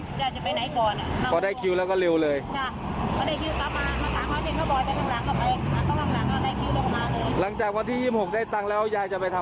บอกว่าได้คิวแล้วก็เร็วเลย